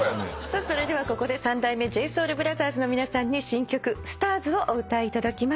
それではここで三代目ＪＳＯＵＬＢＲＯＴＨＥＲＳの皆さんに新曲『ＳＴＡＲＳ』をお歌いいただきます。